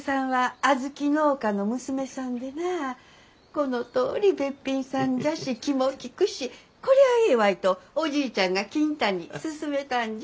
このとおりべっぴんさんじゃし気も利くしこりゃあええわいとおじいちゃんが金太に勧めたんじゃ。